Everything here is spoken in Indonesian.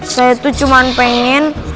saya tuh cuma pengen